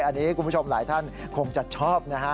อันนี้คุณผู้ชมหลายท่านคงจะชอบนะฮะ